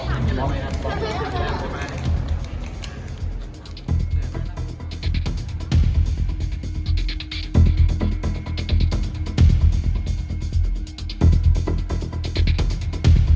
แค่ทำธุรกิจเลี้ยงครอบครัว